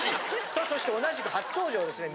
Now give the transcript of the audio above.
・さあそして同じく初登場ですね